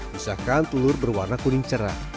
pisahkan telur berwarna kuning cerah